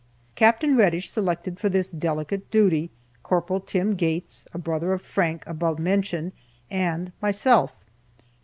Capt. Reddish selected for this delicate duty Corporal Tim Gates (a brother of Frank, above mentioned) and myself.